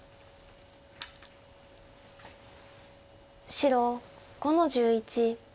白５の十一。